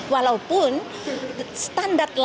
walau di mana di mana di mana di mana